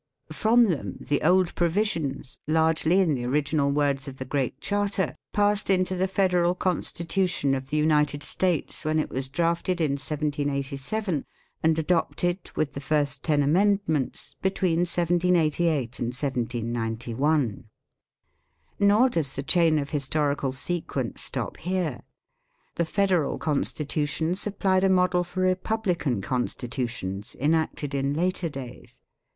From them the old provisions, largely in the original words of the Great Charter, passed into the Federal Constitution of the United States when it was drafted in 1 787 and adopted, with the first ten amendments, between 1788 and 1791. Nor does the chain of historical sequence stop here. The Federal Constitution supplied a model for republican Constitutions enacted in later days.